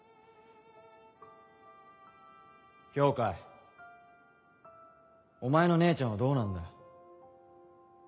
羌お前の姉ちゃんはどうなんだよ。